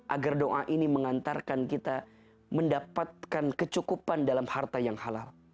agar doa ini mengantarkan kita mendapatkan kecukupan dalam harta yang halal